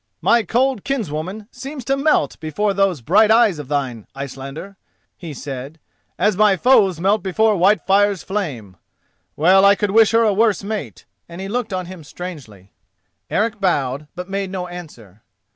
"My cold kinswoman seems to melt before those bright eyes of thine, Icelander," he said, "as my foes melt before Whitefire's flame. Well, I could wish her a worse mate," and he looked on him strangely. Eric bowed, but made no answer.